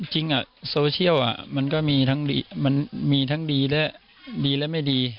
จริงมาโซเชียลมันก็มีทั้งดีและไม่ดี